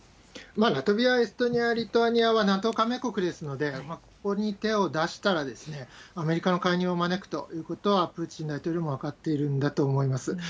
ラトビア、エストニア、リトアニアはＮＡＴＯ加盟国ですので、ここに手を出したら、アメリカの介入を招くということは、プーチン大統領も分かっているんだと思います。